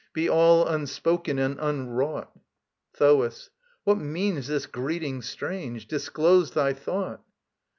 Be all unspoken and unwrought! THOAS. What means this greeting strange? Disclose thy thought.